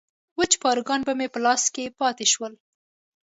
وچ پاروګان به مې په لاسو کې پاتې شول.